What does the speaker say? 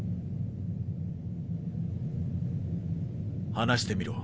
話してみろ。